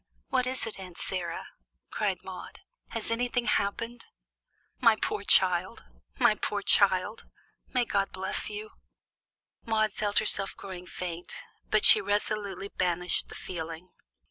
"What is it, Aunt Sarah?" cried Maude. "Has anything happened?" "My poor child! My poor child! May God help you!" Maude felt herself growing faint, but she resolutely banished the feeling.